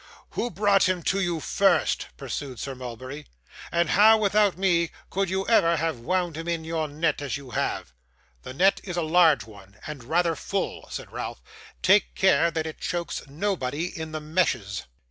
'Who brought him to you first?' pursued Sir Mulberry; 'and how, without me, could you ever have wound him in your net as you have?' 'The net is a large one, and rather full,' said Ralph. 'Take care that it chokes nobody in the meshes.